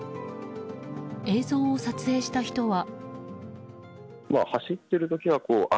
映像を撮影した人は。